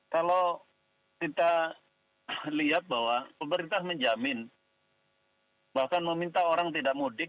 kalau kita lihat bahwa pemerintah menjamin bahkan meminta orang tidak mudik